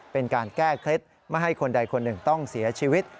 เป็นการแก้เคล็ดไม่ให้คนใดคนหนึ่งต้องเสียชีวิต